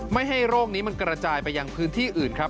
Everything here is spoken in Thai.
ไม่ให้โรคนี้มันกระจายไปยังพื้นที่อื่นครับ